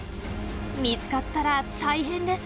見つかったら大変です。